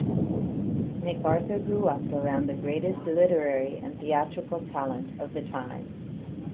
MacArthur grew up around the greatest literary and theatrical talent of the time.